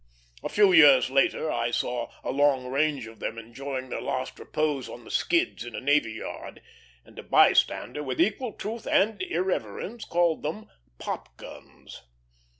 A few years later I saw a long range of them enjoying their last repose on the skids in a navy yard; and a bystander, with equal truth and irreverence, called them pop guns.